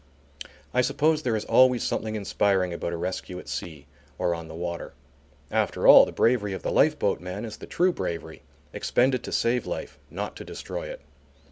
I suppose there is always something inspiring about a rescue at sea, or on the water. After all, the bravery of the lifeboat man is the true bravery, expended to save life, not to destroy it.